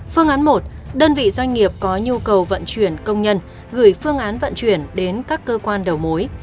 phương án một đơn vị doanh nghiệp có nhu cầu vận chuyển công nhân gửi phương án vận chuyển đến các cơ quan đầu mối